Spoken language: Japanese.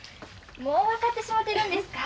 もう分かってしもてるんですか？